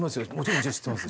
もちろん知ってます